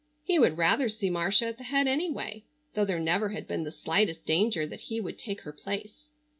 He would rather see Marcia at the head anyway, though there never had been the slightest danger that he would take her place.